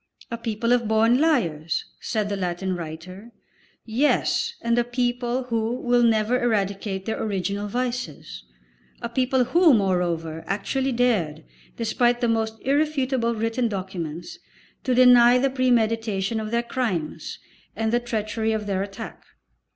"A people of born liars," said the Latin writer. Yes, and a people who will never eradicate their original vices, a people who, moreover, actually dared, despite the most irrefutable written documents, to deny the premeditation of their crimes and the treachery of their attack.